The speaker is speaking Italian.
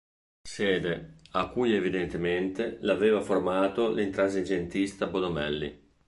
Sede, a cui evidentemente l'aveva formato l'intransigentista Bonomelli.